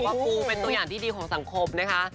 ปูเป็นตัวอย่างที่ดีของสังคมนะคะ